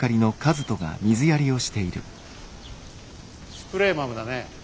スプレーマムだね。